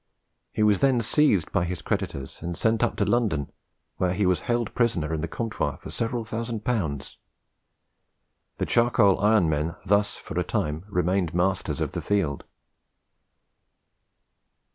He was then seized by his creditors and sent up to London, where he was held a prisoner in the Comptoir for several thousand pounds. The charcoal iron men thus for a time remained masters of the field.